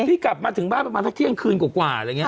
พี่กลับมาถึงบ้านประมาณสักเที่ยงคืนกว่าอะไรอย่างนี้